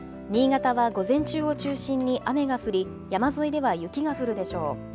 新潟は午前中を中心に雨が降り、山沿いでは雪が降るでしょう。